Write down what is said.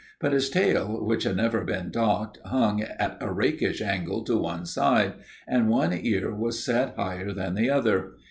But his tail, which had never been docked, hung at a rakish angle to one side and one ear was set higher than the other.